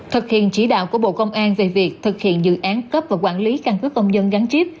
thực hiện chỉ đạo của bộ công an về việc thực hiện dự án cấp và quản lý căn cứ công dân gắn chip